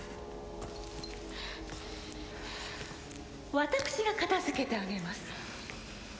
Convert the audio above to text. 私が片づけてあげます